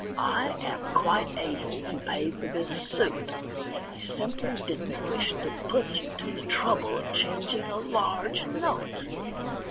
I am quite able to pay for this suit ; I simply didn't wish to put you to the trouble of changing a large note.